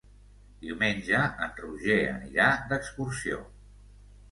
Diumenge en Roger anirà d'excursió.